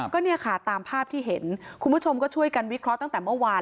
ก็เนี่ยค่ะตามภาพที่เห็นคุณผู้ชมก็ช่วยกันวิเคราะห์ตั้งแต่เมื่อวาน